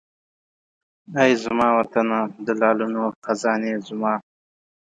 ای زما وطنه د لعلونو خزانې زما!